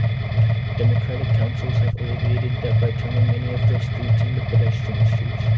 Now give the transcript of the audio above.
Democratic councils have alleviated that by turning many of those streets into pedestrian streets.